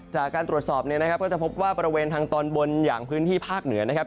จากการตรวจสอบเนี่ยนะครับก็จะพบว่าบริเวณทางตอนบนอย่างพื้นที่ภาคเหนือนะครับ